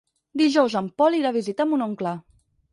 Dijous en Pol irà a visitar mon oncle.